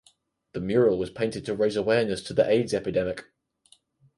The mural was painted to raise awareness to the Aids epidemic.